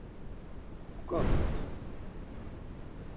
Uǩap̌it.